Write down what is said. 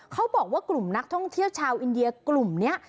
เขาบอกว่ากลุ่มนักท่องเที่ยวชาวอินเดียกลุ่มนี้